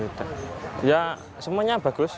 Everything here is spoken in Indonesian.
di tempat yang terdekat dengan barang